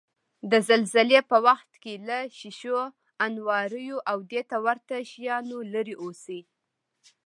د زلزلې په وخت کې له شیشو، انواریو، او دېته ورته شیانو لرې اوسئ.